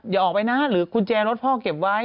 อย่าออกไปนะหรือกุญแจรถพ่อเก็บไว้